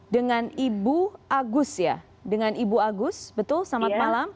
dengan ibu agus ya dengan ibu agus betul selamat malam